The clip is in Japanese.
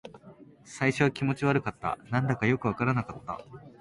最初は気持ち悪かった。何だかよくわからなかった。